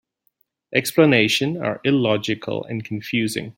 Explanations are illogical and confusing.